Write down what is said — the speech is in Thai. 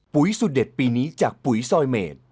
สุดเด็ดปีนี้จากปุ๋ยซอยเมด